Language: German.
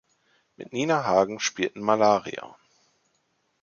Mit Nina Hagen spielten Malaria!